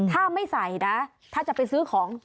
ถ้าไม่ใส่นะถ้าจะไปซื้อของ